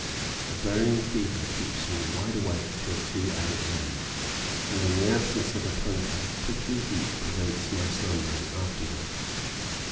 A burning fever keeps me wide awake till 2 a.m., and in the absence of a punkah, prickly heat prevents my slumbering afterward.